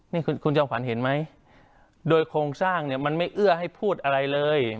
นี่คุณจอมขวัญเห็นไหมโดยโครงสร้างเนี่ยมันไม่เอื้อให้พูดอะไรเลย